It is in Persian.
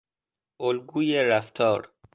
الگوی رفتار